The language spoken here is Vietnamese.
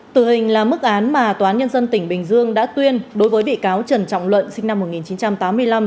tử hình là mức án mà tòa án nhân dân tỉnh bình dương đã tuyên đối với bị cáo trần trọng luận sinh năm một nghìn chín trăm tám mươi năm